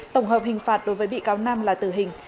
tổng hợp hình phạt đối với bị cáo nam là tử hình